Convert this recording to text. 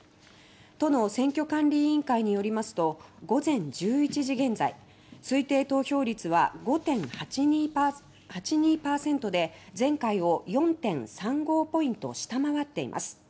都の選挙管理委員会によりますと午前１１時現在推定投票率は５．８２％で前回を４．３５ポイント下回っています。